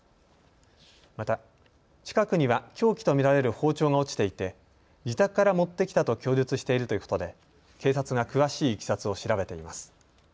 また、近くには凶器とみられる包丁が落ちていて自宅から持ってきたと供述しているということで警察が詳しいいきさつを調べています。